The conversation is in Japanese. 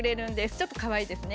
ちょっとかわいいですね。